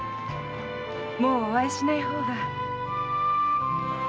もうお会いしない方が。